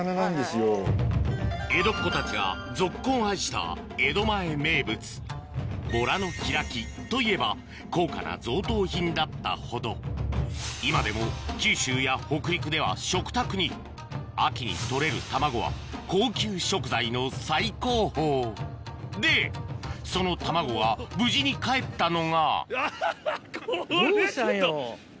江戸っ子たちがぞっこん愛した江戸前名物鰡の開きといえば高価な贈答品だったほど今でも九州や北陸では食卓に秋に取れる卵は高級食材の最高峰でその卵が無事にかえったのがアハハ！